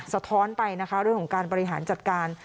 สะท้อนไปด้วยของการปริหารจัดการ